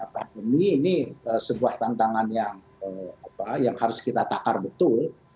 pandemi ini sebuah tantangan yang harus kita takar betul